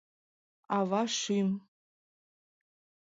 АВА ШӰМ